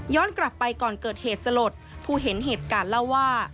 กลับไปก่อนเกิดเหตุสลดผู้เห็นเหตุการณ์เล่าว่า